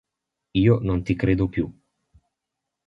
Io non ti credo più.